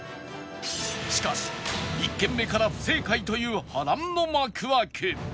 しかし１軒目から不正解という波乱の幕開け